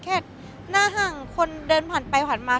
แค่หน้าห้างคนเดินผ่านไปผ่านมา